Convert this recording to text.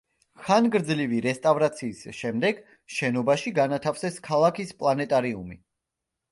ხანგრძლივი რესტავრაციის შემდეგ შენობაში განათავსეს ქალაქის პლანეტარიუმი.